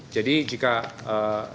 jadi jika teman teman memperhatikan